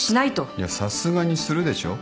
いやさすがにするでしょ。